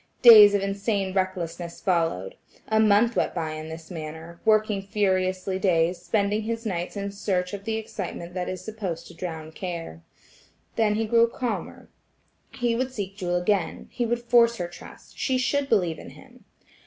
Days of insane recklessness followed. A month went by in this manner–working furiously days, spending his nights in search of the excitement that is supposed to drown care. Then he grew calmer. He would seek Jewel again; he would force her trust; she should believe in him.